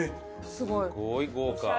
すごい豪華。